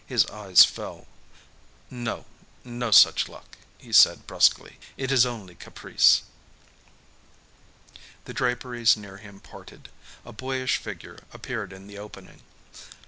His eyes fell. "No, no such good luck," he said brusquely. "It is only caprice." The draperies near him parted. A boyish figure appeared in the opening.